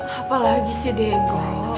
apa lagi sih deku